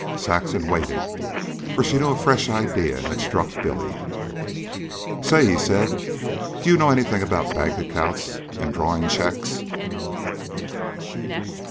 Saxon waited, for she knew a fresh idea had struck Billy. "Say," he said, "do you know anything about bank accounts and drawin' checks?"